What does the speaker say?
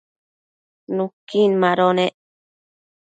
nuquin mado nec